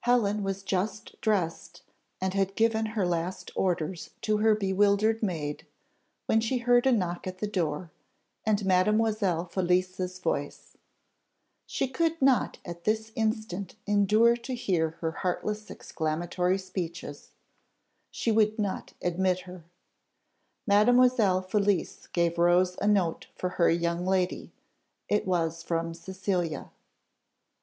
Helen was just dressed, and had given her last orders to her bewildered maid, when she heard a knock at the door, and Mademoiselle Felicie's voice. She could not at this instant endure to hear her heartless exclamatory speeches; she would not admit her. Mademoiselle Felicie gave Rose a note for her young lady it was from Cecilia.